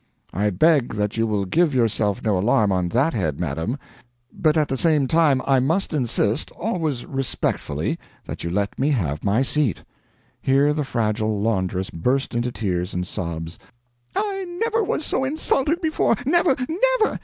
"I beg that you will give yourself no alarm on that head, madam; but at the same time I must insist always respectfully that you let me have my seat." Here the fragile laundress burst into tears and sobs. "I never was so insulted before! Never, never!